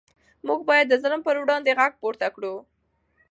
موږ باید د ظلم پر وړاندې غږ پورته کړو.